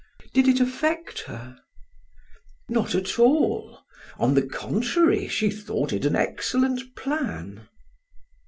"Did it affect her?" "Not at all. On the contrary, she thought it an excellent plan."